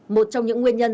một trong những nguyên nhân